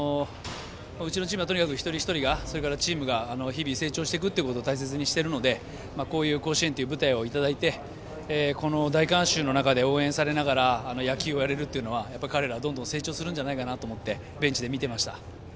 うちは一人一人がチームが日々成長していくことを大切にしているのでこういう、甲子園という舞台をいただいてこの大観衆の中で応援されながら野球をやれるのは、彼らどんどん成長すると思って見ていました。